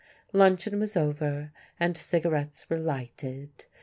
Luncheon was over and cigarettes were lighted.